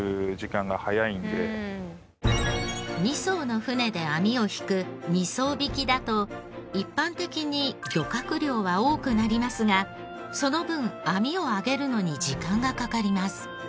２艘の船で網を曳く二艘曳きだと一般的に漁獲量は多くなりますがその分網を揚げるのに時間がかかります。